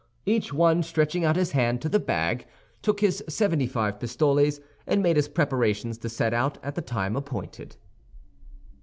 Each one, stretching out his hand to the bag, took his seventy five pistoles, and made his preparations to set out at the time appointed.